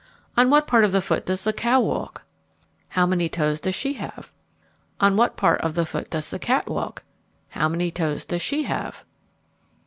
On what part of the foot does the cow walk? How many toes does she have? On what part of the foot does the cat walk? How many toes does she have?